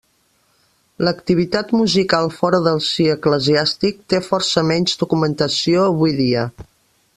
L'activitat musical fora del si eclesiàstic, té força menys documentació avui dia.